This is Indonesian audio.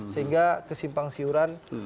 sehingga kesimpang siuran